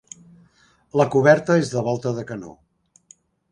La coberta és de volta de canó.